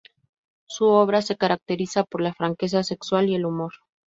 Su obra se caracteriza por la franqueza sexual y el humor.